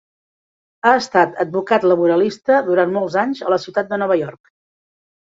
Ha estat advocat laboralista durant molts anys a la ciutat de Nova York.